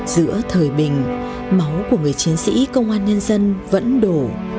giữa thời bình máu của người chiến sĩ công an nhân dân vẫn đổ